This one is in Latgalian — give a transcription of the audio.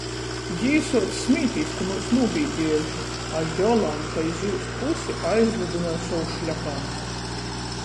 Jī suoc smītīs, ka myus nūbīdiejuši, a Jolanta iz jūs pusi aizlydynoj sovu šļopancu.